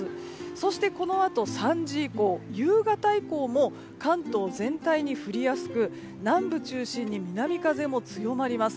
そして、このあと３時以降夕方以降も関東全体に降りやすく南部中心に南風も強まります。